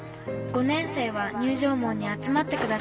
５年生は入場門に集まってください」。